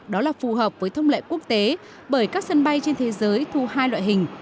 đó là phù hợp với thông lệ quốc tế bởi các sân bay trên thế giới thu hai loại hình